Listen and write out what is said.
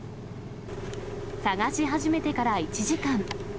探し始めてから１時間。